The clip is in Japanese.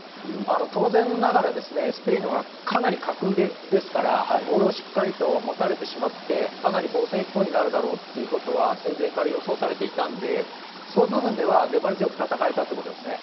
当然ながら、スペインのほうがかなり格上ですからボールをしっかりと持たれてしまってかなり防戦一方になるだろうということは戦前から予想されていたのでそういう部分では粘り強く戦えたってことですね。